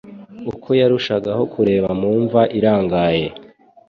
Uko yarushagaho kureba mu mva irangaye